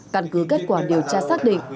căn cứ kết quả điều tra xác định